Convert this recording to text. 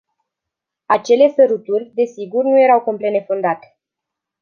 Acele săruturi, desigur, nu erau complet nefondate.